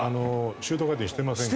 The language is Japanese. シュート回転してませんから。